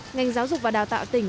ngành giáo dục và đào tạo tỉnh